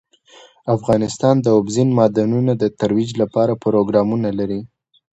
افغانستان د اوبزین معدنونه د ترویج لپاره پروګرامونه لري.